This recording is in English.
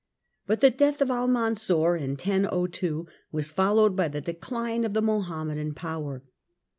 But the death of Almansor in 1002 was followed by the decline of the Mohammedan power.